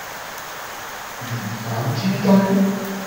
年晚煎堆